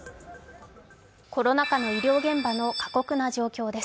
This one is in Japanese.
コロナ禍の医療現場の過酷な状況です。